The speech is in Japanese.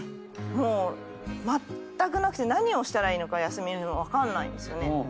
もうまったくなくて何をしたらいいのか休みの日も分かんないんですよね。